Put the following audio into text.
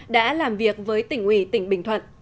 đã làm việc với tỉnh ủy tỉnh bình thuận